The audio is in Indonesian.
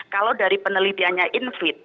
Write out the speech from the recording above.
kalau dari penelitiannya infit